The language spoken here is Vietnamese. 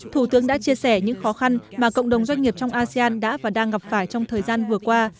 thủ tướng đã chia sẻ những khó khăn mà cộng đồng doanh nghiệp trong asean đã và đang gặp phải trong thời gian vừa qua